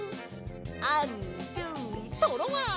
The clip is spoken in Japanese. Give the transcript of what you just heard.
アンドゥトロワ！